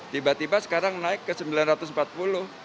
tiba tiba sekarang naik ke rp sembilan ratus empat puluh